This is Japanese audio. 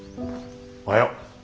おはよう。